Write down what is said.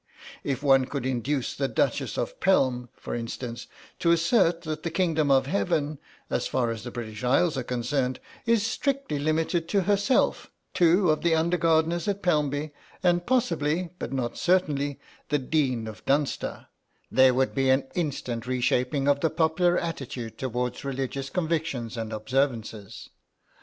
If one could induce the Duchess of Pelm, for instance, to assert that the Kingdom of Heaven, as far as the British Isles are concerned, is strictly limited to herself, two of the under gardeners at Pelmby, and, possibly, but not certainly, the Dean of Dunster, there would be an instant reshaping of the popular attitude towards religious convictions and observances.